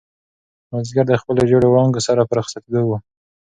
مازیګر د خپلو ژېړو وړانګو سره په رخصتېدو و.